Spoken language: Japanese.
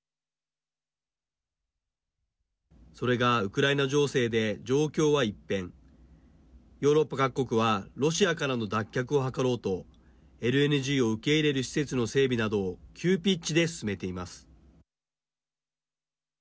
それが、ウクライナ情勢で状況は一変ヨーロッパ各国はロシアからの脱却を図ろうとＬＮＧを受け入れる施設の整備などを急ピッチで進めています。